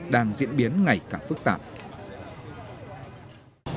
đang diễn biến ngày càng phức tạp